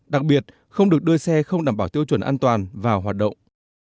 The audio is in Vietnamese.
đặc biệt không được đưa xe không đảm bảo tiêu chuẩn an toàn vào hoạt động